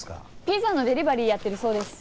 ピザのデリバリーやってるそうです。